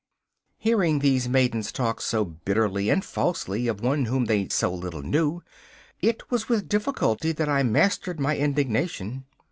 Hearing these maidens talk so bitterly and falsely of one whom they so little knew, it was with difficulty that I mastered my indignation.